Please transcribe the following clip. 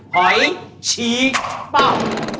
หอยชี้เป้า